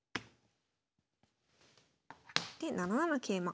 で７七桂馬。